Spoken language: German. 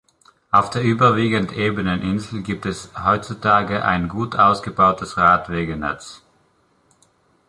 Auf der überwiegend ebenen Insel gibt es heutzutage ein gut ausgebautes Radwegenetz.